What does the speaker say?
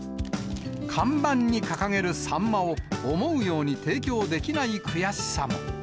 看板に掲げるサンマを、思うように提供できない悔しさも。